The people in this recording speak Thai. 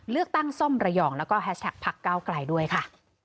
เลือกตั้งซ่อมระยองแล้วก็แฮชแท็กพักเก้าไกลด้วยค่ะ